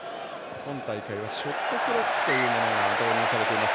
今大会はショットクロックというものが導入されています。